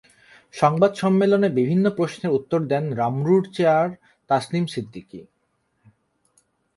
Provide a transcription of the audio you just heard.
সংবাদ সম্মেলনে বিভিন্ন প্রশ্নের উত্তর দেন রামরুর চেয়ার তাসনিম সিদ্দিকী।